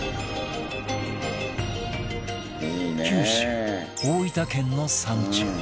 九州大分県の山中